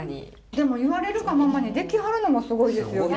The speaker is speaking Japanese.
でも言われるがままにできはるのもすごいですよね。